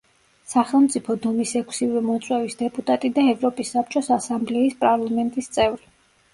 სახელმწიფო დუმის ექვსივე მოწვევის დეპუტატი და ევროპის საბჭოს ასამბლეის პარლამენტის წევრი.